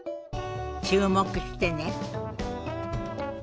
注目してね。